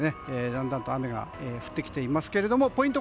だんだんと雨が降ってきていますがポイント